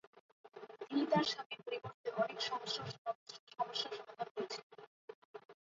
তিনি তার স্বামীর পরিবর্তে অনেক সমস্যা ও সমস্যার সমাধান করেছিলেন।